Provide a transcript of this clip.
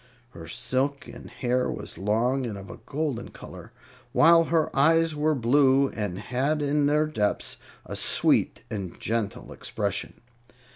Her silken hair was long and of a golden color, while her eyes were blue, and had in their depths a sweet and gentle expression.